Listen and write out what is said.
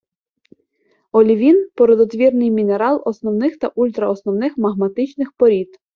Олівін - породотвірний мінерал основних та ультраосновних магматичних порід